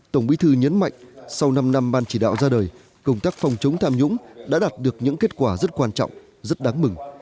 tổng bí thư nhấn mạnh sau năm năm ban chỉ đạo ra đời công tác phòng chống tham nhũng đã đạt được những kết quả rất quan trọng rất đáng mừng